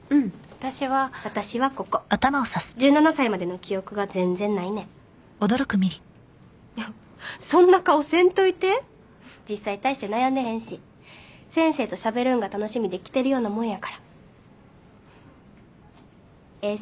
私は私はここ１７歳までの記憶が全然ないねんいやそんな顔せんといて実際大して悩んでへんし先生としゃべるんが楽しみで来てるようなもんやからええ